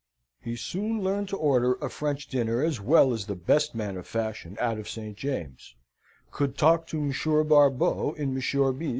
He soon learned to order a French dinner as well as the best man of fashion out of St. James's; could talk to Monsieur Barbeau, in Monsieur B.'